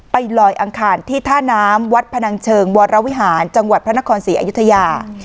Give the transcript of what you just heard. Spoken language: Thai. ลอยอังคารที่ท่าน้ำวัดพนังเชิงวรวิหารจังหวัดพระนครศรีอยุธยา